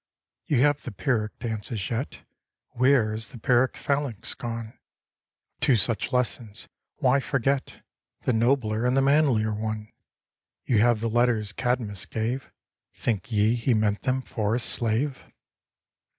You have the Pyrrhic dance as yet, Where is the Pyrrhic phalanx gone ? Of two such lessons, why forget The nobler and the manlier one ? You have the letters Cadmus gave — Think ye he meant them for a slave